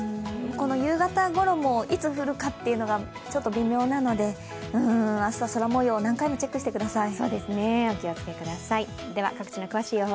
夕方ごろもいつ降るかというのが、ちょっと微妙なので、朝、空もよう何回もチェックしてください。